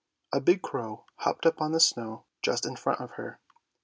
A big crow hopped on to the snow, just in front of her.